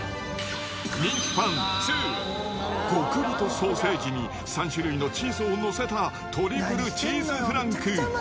人気パン２、極太ソーセージに３種類のチーズを載せたトリプルチーズフランク。